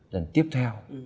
lần tiếp theo